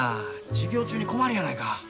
授業中に困るやないか。